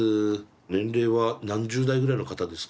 年齢は何十代ぐらいの方ですか？